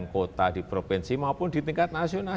kota di provinsi maupun di tingkat nasional